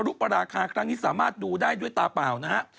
คราวนี้สามารถดูได้ด้วยตาเปล่านะครับ